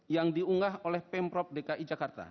yang diunggah oleh pemprov dki jakarta